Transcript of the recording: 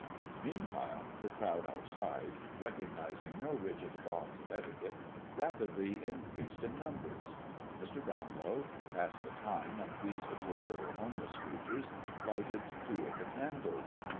Meanwhile the crowd outside, recognizing no rigid bonds of etiquette, rapidly increased in numbers. Mr. Brownlow, to pass the time and please the poor little homeless creatures, lighted two of the candles.